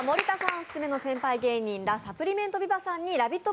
オススメの先輩芸人、ラ・サプリメント・ビバさんのラヴィット！